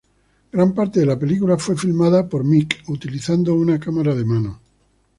Gran parte de la película fue filmada por Mick utilizando una cámara de mano.